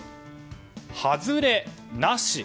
外れなし。